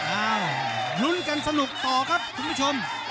อ้าวลุ้นกันสนุกต่อครับคุณผู้ชม